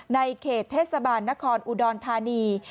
ในเขตเทศบาลนครอุดรธานี